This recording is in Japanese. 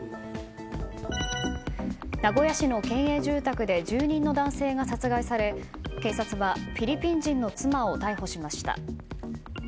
名古屋市の県営住宅で住人の男性が殺害され警察はフィリピン人の妻を逮捕しました。